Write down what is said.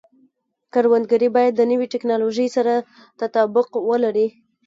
کروندګري باید د نوې ټکنالوژۍ سره تطابق ولري.